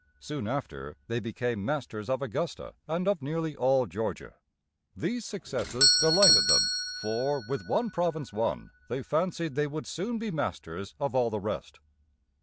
Soon after, they became masters of Au gus´ta and of nearly all Georgia. These successes delighted them, for, with one province won, they fancied they would soon be masters of all the rest.